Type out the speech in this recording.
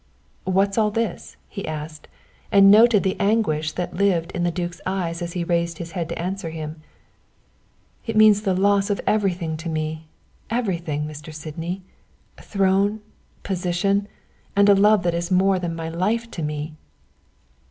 "What's all this?" he asked, and noted the anguish that lived in the duke's eyes as he raised his head to answer him. "It means the loss of everything to me everything, Mr. Sydney. Throne, position and a love that is more than my life to me."